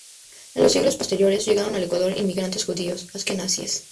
En los siglos posteriores llegaron al Ecuador inmigrantes judíos asquenazíes.